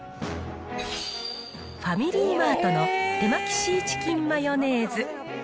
ファミリーマートの手巻シーチキンマヨネーズ。